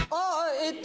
えっと。